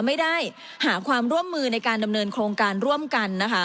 ไม่ได้หาความร่วมมือในการดำเนินโครงการร่วมกันนะคะ